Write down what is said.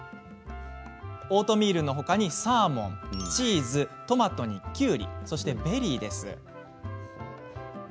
オートミールのほかにサーモンチーズ、トマトに、きゅうりそしてベリーです。